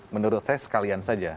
menurut saya sekalian saja